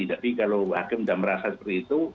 tapi kalau hakim sudah merasa seperti itu